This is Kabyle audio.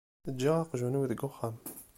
Ǧǧiɣ aqjun-iw deg uxxam.